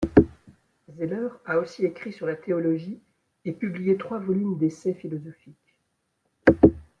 Zeller a aussi écrit sur la théologie et publié trois volumes d'essais philosophiques.